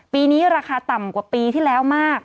ปีนี้ราคาต่ำกว่าปีที่แล้วมาก